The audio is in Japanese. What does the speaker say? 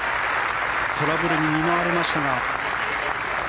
トラブルに見舞われましたが。